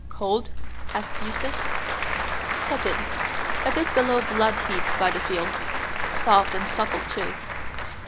"Cold?" asked Eustace. "Tepid. A bit below blood heat by the feel. Soft and supple too.